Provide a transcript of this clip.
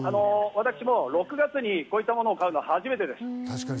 私、６月にこういったものを買うの初めてです。